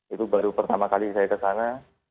itu baru pertama kali saya ke sana